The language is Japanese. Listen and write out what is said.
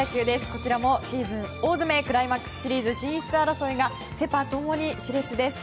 こちらもシーズン大詰めクライマックスシリーズへの進出争いがセ・パ共に、し烈です。